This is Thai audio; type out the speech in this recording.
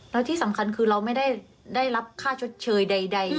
แล้วที่สำคัญคือเราไม่ได้รับค่าชดเชยใด